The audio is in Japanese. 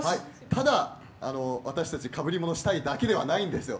ただ、私たちかぶり物をしたいだけじゃないんですよ。